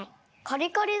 カリカリ？